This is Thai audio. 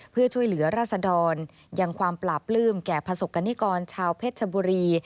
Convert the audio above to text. เพื่อช่วยเหลือราศดรยังความปราบปลื้มแก่ประสบกรณิกรชาวเพชรชบุรี